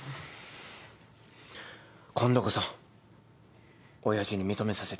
今度こそ親父に認めさせてやる。